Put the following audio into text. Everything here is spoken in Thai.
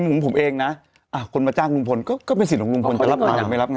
มุมผมเองนะอ่ะคนมาจ้างลุงพลก็ก็เป็นสิทธิ์ของลุงพลจะรับมาหรือไม่รับ